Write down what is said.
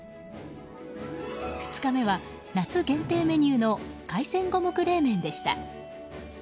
２日目は夏限定メニューの海鮮五目冷麺でした。